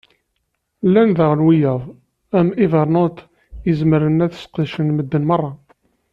Llan daɣen wiyaḍ, am Evernote i zemren ad sqedcen medden meṛṛa.